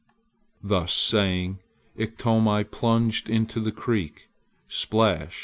Thus saying Iktomi plunged into the creek. Splash!